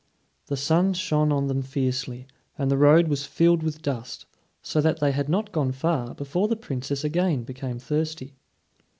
The sun shone on them fiercely, and the road was filled with dust, so that they had not gone far before the Princess again became thirsty.